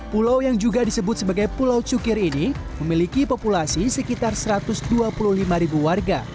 pulau yang juga disebut sebagai pulau cukir ini memiliki populasi sekitar satu ratus dua puluh lima ribu warga